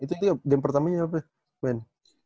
itu game pertamanya apa ya ben